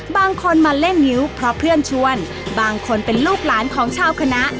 บางคนมาเล่นงิ้วเพราะเพื่อนชวนบางคนเป็นลูกหลานของชาวคณะ